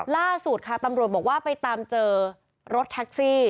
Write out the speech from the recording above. ล่าสุดค่ะตำรวจบอกว่าไปตามเจอรถแท็กซี่